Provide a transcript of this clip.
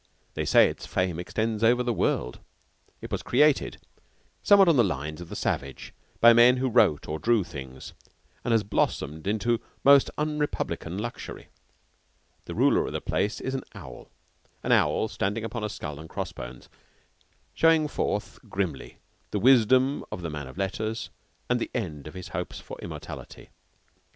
They say its fame extends over the world. It was created, somewhat on the lines of the Savage, by men who wrote or drew things, and has blossomed into most unrepublican luxury. The ruler of the place is an owl an owl standing upon a skull and cross bones, showing forth grimly the wisdom of the man of letters and the end of his hopes for immortality.